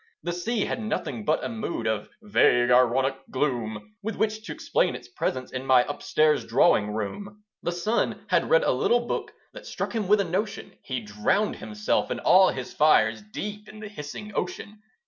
The sea had nothing but a mood Of 'vague ironic gloom,' With which t'explain its presence in My upstairs drawing room. The sun had read a little book That struck him with a notion: He drowned himself and all his fires Deep in the hissing ocean.